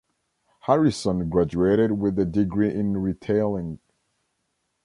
Harrison graduated with a degree in retailing.